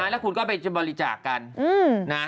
แล้วคุณก็ไปบริจาคกันนะ